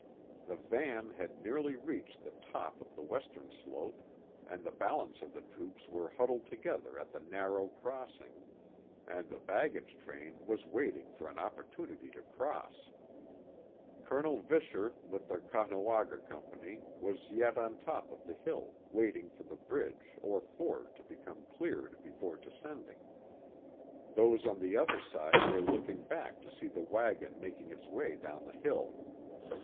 The van had nearly reached the top of the western slope and the balance of the troops were huddled together at the narrow crossing, .ind the baggage train was wailing for an opportunity to cross. Colonel Viss chcr with the Caughnawaga company was yet on the top of tlie hill waitiiij^ for the bri[lge or ford to become cleared before descending. Those on the other side were looking back to .see the wagon making its way down the hill.